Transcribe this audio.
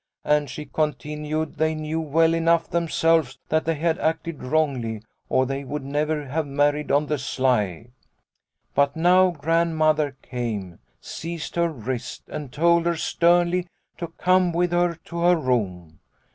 And, she continued, they knew well enough themselves that they had acted wrongly or they would never have married on the sly. " But now Grandmother came, seized her wrist, and told her sternly to come with her to her room.